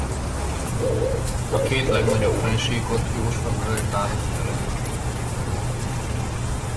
A két legnagyobb fennsíkot Jósva-völgy választja el egymástól.